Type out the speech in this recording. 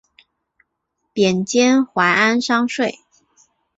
贬监怀安商税。